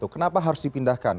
kenapa harus dipindahkan